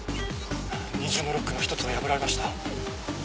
二重のロックの一つを破られました。